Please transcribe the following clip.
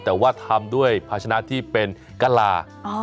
แต่ว่าทำด้วยภาชนะที่เป็นกะลา